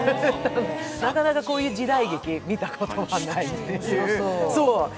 なかなか、こういう時代劇見たことないっていう。